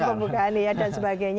dalam pembukaan ini ya dan sebagainya